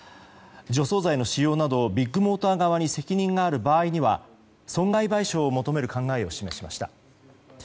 除草剤の使用などビッグモーター側に責任がある場合には損害賠償を求める考えを示しました。